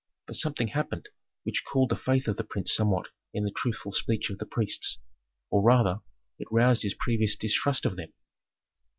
But something happened which cooled the faith of the prince somewhat in the truthful speech of the priests, or rather it roused his previous distrust of them.